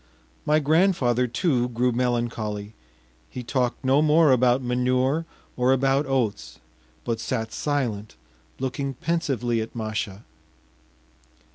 My grandfather, too, grew melancholy; he talked no more about manure or about oats, but sat silent, looking pensively at Masha.